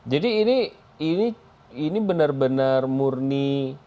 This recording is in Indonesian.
jadi ini benar benar murni